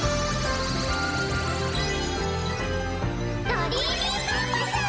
ドリーミーコンパス！